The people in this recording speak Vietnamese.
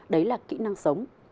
đấy là kỹ năng sống